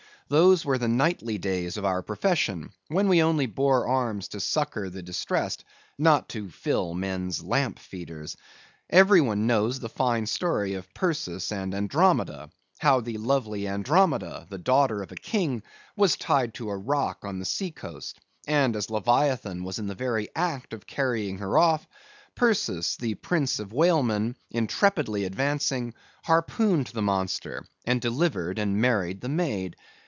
Those were the knightly days of our profession, when we only bore arms to succor the distressed, and not to fill men's lamp feeders. Every one knows the fine story of Perseus and Andromeda; how the lovely Andromeda, the daughter of a king, was tied to a rock on the sea coast, and as Leviathan was in the very act of carrying her off, Perseus, the prince of whalemen, intrepidly advancing, harpooned the monster, and delivered and married the maid.